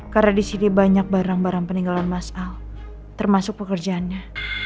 karena di sini banyak barang barang peninggalan mas al termasuk pekerjaannya